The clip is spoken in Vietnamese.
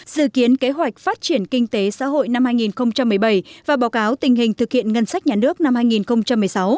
dự kiến kế hoạch phát triển kinh tế xã hội năm hai nghìn một mươi bảy và báo cáo tình hình thực hiện ngân sách nhà nước năm hai nghìn một mươi sáu